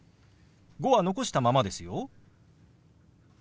「５」は残したままですよ。